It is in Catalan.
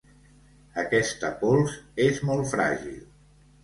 Aquesta pols és molt fràgil.